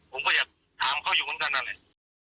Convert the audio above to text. ผมก็อยากถามเขาอยู่เหมือนกันนั่นแหละ